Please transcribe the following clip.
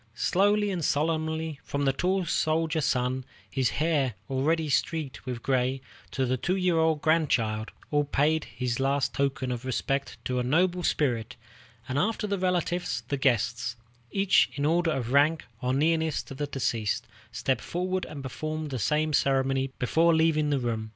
Slowly and solemnly, from the tall soldier son, his hair already streaked with gray, to the two year old grandchild, all paid this last token of respect to a noble spirit; and after the relatives the guests, each in the order of rank or nearness to the deceased, stepped forward and performed the same ceremony before leaving the room.